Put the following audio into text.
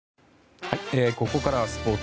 ここからはスポーツ。